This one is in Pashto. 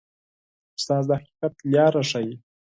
استاد د حقیقت لاره ښيي.